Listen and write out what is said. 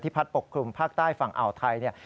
พัดปกคลุมภาคใต้ฝั่งอ่าวไทย